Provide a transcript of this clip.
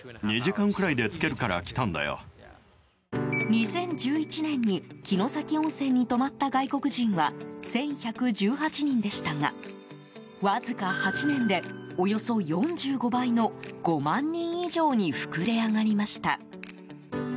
２０１１年に城崎温泉に泊まった外国人は１１１８人でしたがわずか８年で、およそ４５倍の５万人以上に膨れ上がりました。